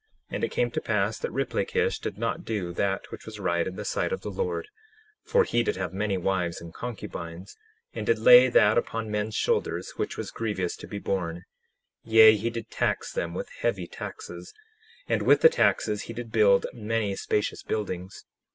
10:5 And it came to pass that Riplakish did not do that which was right in the sight of the Lord, for he did have many wives and concubines, and did lay that upon men's shoulders which was grievous to be borne; yea, he did tax them with heavy taxes; and with the taxes he did build many spacious buildings.